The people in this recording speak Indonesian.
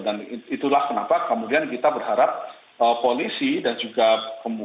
dan itulah kenapa kemudian kita berharap polisi dan juga kem